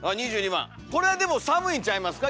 これはでも寒いんちゃいますか